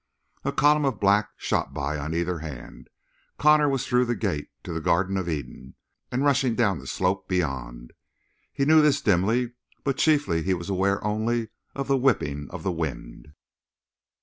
A column of black shot by on either hand; Connor was through the gate to the Garden of Eden and rushing down the slope beyond. He knew this dimly, but chiefly he was aware only of the whipping of the wind.